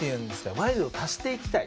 ワイルドを足していきたい。